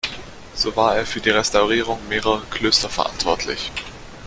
So war er für die Restaurierung mehrerer Klöster verantwortlich.